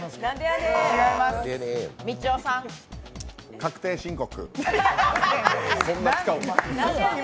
確定申告。